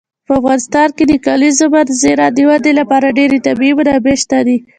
په افغانستان کې د کلیزو منظره د ودې لپاره ډېرې طبیعي منابع شته دي.